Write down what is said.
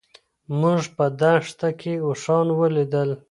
موږ په دښته کې اوښان ولیدل.